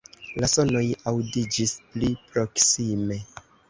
La sonoj aŭdiĝis pli proksime.